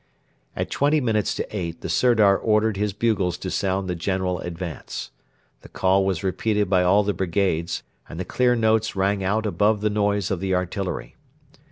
At twenty minutes to eight the Sirdar ordered his bugles to sound the general advance. The call was repeated by all the brigades, and the clear notes rang out above the noise of the artillery.